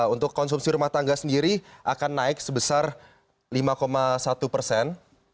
untuk konsumsi rumah tangga sendiri akan naik sebesar lima satu persen